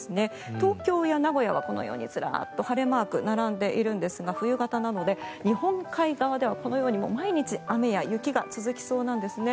東京や名古屋はこのようにずらっと晴れマークが並んでいるんですが冬型なので日本海側ではこのように毎日、雨や雪が続きそうなんですね。